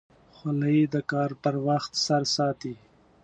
خولۍ د کار پر وخت سر ساتي.